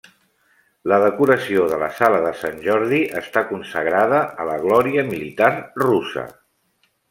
La decoració de la sala de Sant Jordi està consagrada a la glòria militar russa.